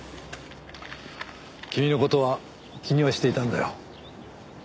君の事は気にはしていたんだよ。